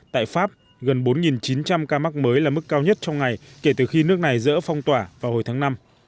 tại pháp gần bốn chín trăm linh ca mắc mới là mức cao nhất trong ngày kể từ khi nước này dỡ phong tỏa vào hồi tháng năm